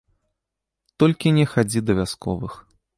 Толькі не хадзі да вясковых.